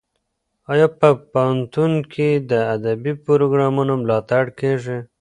ایا په پوهنتون کې د ادبي پروګرامونو ملاتړ کیږي؟